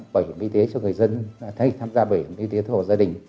bảo hiểm y tế cho người dân thay tham gia bảo hiểm y tế thu hộ gia đình